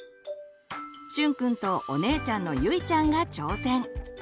しゅんくんとお姉ちゃんのゆいちゃんが挑戦！